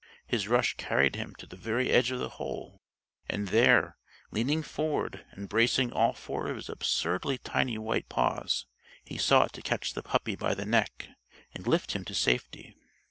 His rush carried him to the very edge of the hole, and there, leaning forward and bracing all four of his absurdly tiny white paws, he sought to catch the puppy by the neck and lift him to safety.